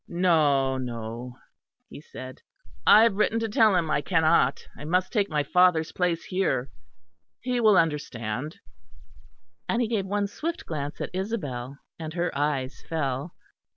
"No, no," he said, "I have written to tell him I cannot. I must take my father's place here. He will understand"; and he gave one swift glance at Isabel, and her eyes fell.